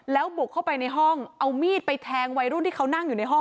แล้วบุกเข้าไปในห้องเอามีดไปแทงวัยรุ่นที่เขานั่งอยู่ในห้อง